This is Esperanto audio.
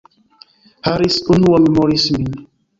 Harris, unua, memoris min.